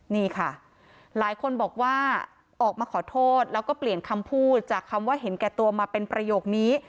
นี่ค่ะหลายคนบอกว่าออกมาขอโทษแล้วก็เปลี่ยนคำพูดจากคำว่าเห็นแก่ตัวมาเป็นประโยคนี้